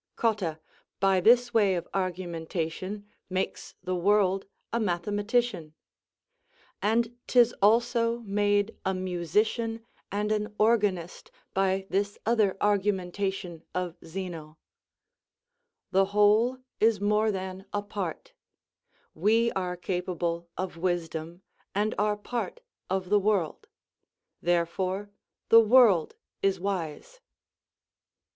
Cotta, by this way of argumentation, makes the world a mathematician; 'and tis also made a musician and an organist by this other argumentation of Zeno: "The whole is more than a part; we are capable of wisdom, and are part of the world; therefore the world is wise."